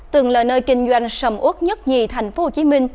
từng lời nơi kinh doanh sầm út nhất nhì thành phố hồ chí minh